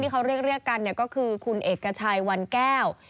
เขาเรียกกันก็คือคุณเอกชัยวันแก้ว